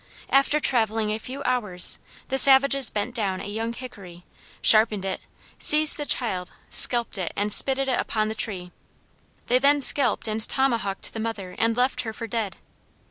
After traveling a few hours the savages bent down a young hickory, sharpened it, seized the child, scalped it and spitted it upon the tree; they then scalped and tomahawked the mother and left her for dead.